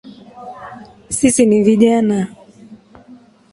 Sisi ni vijana